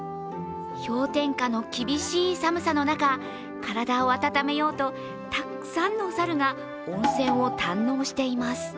氷点下の厳しい寒さの中体を温めようとたくさんの猿が温泉を堪能しています。